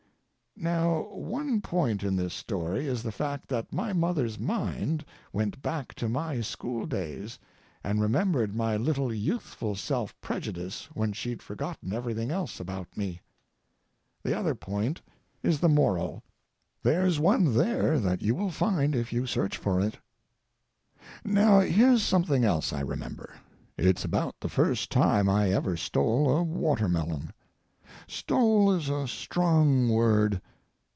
Now, one point in this story is the fact that my mother's mind went back to my school days, and remembered my little youthful self prejudice when she'd forgotten everything else about me. The other point is the moral. There's one there that you will find if you search for it. Now, here's something else I remember. It's about the first time I ever stole a watermelon. "Stole" is a strong word.